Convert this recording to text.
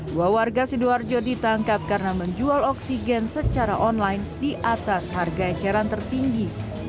dua warga sidoarjo ditangkap karena menjual oksigen secara online di atas harga eceran tertinggi